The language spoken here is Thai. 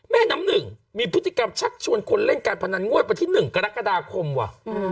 แม่น้ำหนึ่งมีพฤติกรรมชักชวนคนเล่นการพนันงวดวันที่๑กรกฎาคมว่ะ